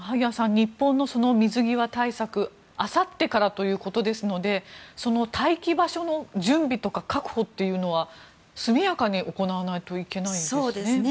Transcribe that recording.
日本の水際対策あさってからということですのでその待機場所の準備とか確保は速やかに行わないといけないですね。